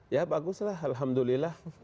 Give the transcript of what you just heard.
ya baguslah alhamdulillah